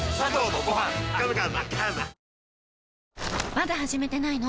まだ始めてないの？